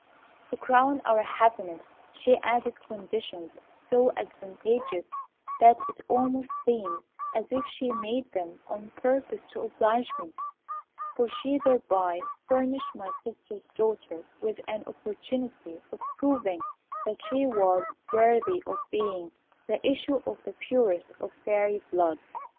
"To crown our happiness, she added conditions so advantageous, that it almost seemed as if she made them on purpose to oblige me, for she thereby furnished my sister's daughter with an opportunity of proving that she was worthy of being the issue of the purest of fairy blood.